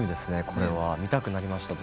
これは見たくなりました。